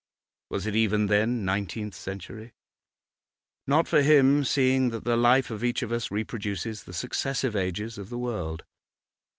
Was it even then nineteenth century? Not for him, seeing that the life of each of us reproduces the successive ages of the world.